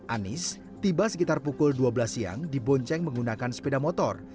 anis tiba sekitar pukul dua belas siang di bonceng menggunakan sepeda motor